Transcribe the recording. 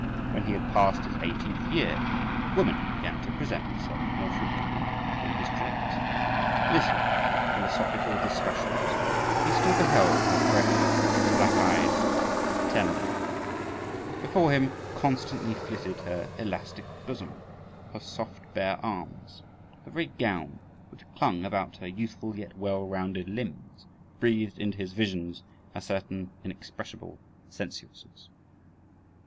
When he had passed his eighteenth year, woman began to present herself more frequently in his dreams; listening to philosophical discussions, he still beheld her, fresh, black eyed, tender; before him constantly flitted her elastic bosom, her soft, bare arms; the very gown which clung about her youthful yet well rounded limbs breathed into his visions a certain inexpressible sensuousness.